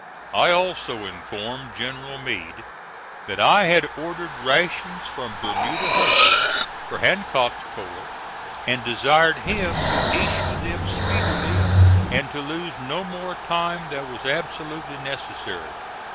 I also informed General Meade that I had ordered rations from Bermuda Hundred for Hancock's corps, and desired him to issue them speedily, and to lose no more time than was absolutely necessary.